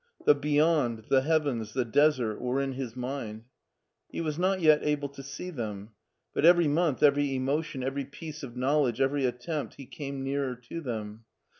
The beyond, the heavens, the desert, were in his mind. He was not yet able to see them; but every month, every emotion, every piece of knowledge, every attempt, he came nearer to them.